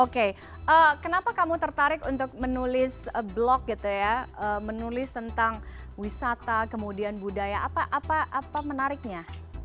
oke kenapa kamu tertarik untuk menulis blok gitu ya menulis tentang wisata kemudian budaya apa menariknya